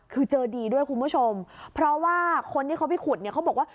คือเจอดีด้วยคุณผู้ชมเพราะว่าคนที่เขาไปขุดเนี่ยเขาบอกว่า